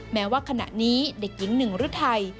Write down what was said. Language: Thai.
แม้ว่าขณะนี้เด็กยิงหนึ่งรื้อไทร